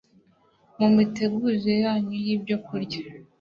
Mu mitegurire yanyu yibyokurya